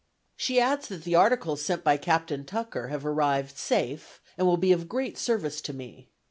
She adds that the articles sent by Captain Tucker have "arrived safe, and will be of great service to me.